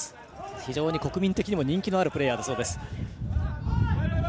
非常に国民的にも人気のあるプレーヤーだそうです。